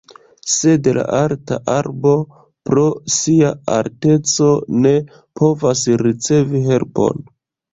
Sed la alta arbo, pro sia alteco, ne povas ricevi helpon.